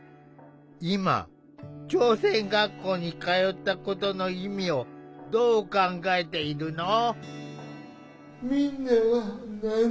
今朝鮮学校に通ったことの意味をどう考えているの？